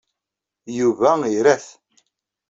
Yuba ira-t.